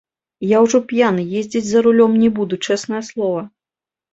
Я ўжо п'яны ездзіць за рулём не буду, чэснае слова.